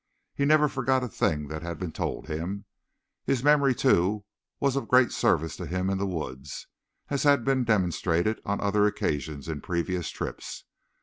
He never forgot a thing that had been told him. His memory, too, was of great service to him in the woods, as had been demonstrated on other occasions in previous trips.